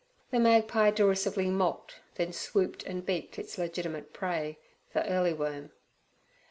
The magpie derisively mocked, then swooped and beaked its legitimate prey, the early worm.